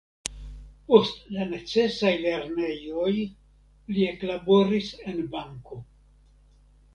Post la necesaj lernejoj li eklaboris en banko.